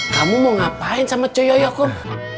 kamu mau ngapain sama ci yoyo kum